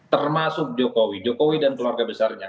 termasuk jokowi jokowi dan keluarga besarnya